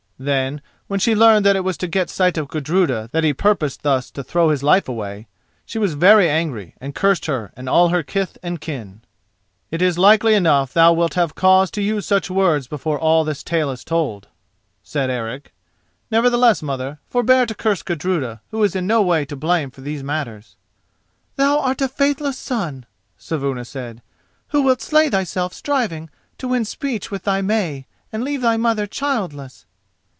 Then, when she learned that it was to get sight of Gudruda that he purposed thus to throw his life away, she was very angry and cursed her and all her kith and kin. "It is likely enough that thou wilt have cause to use such words before all this tale is told," said Eric; "nevertheless, mother, forbear to curse Gudruda, who is in no way to blame for these matters." "Thou art a faithless son," Saevuna said, "who wilt slay thyself striving to win speech with thy May, and leave thy mother childless."